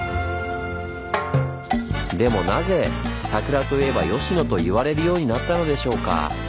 でもなぜ「桜といえば吉野」といわれるようになったのでしょうか？